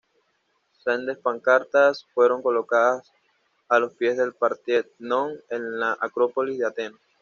Sendas pancartas fueron colocadas a los pies del Partenón en la Acrópolis de Atenas.